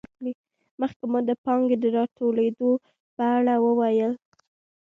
مخکې مو د پانګې د راټولېدو په اړه وویل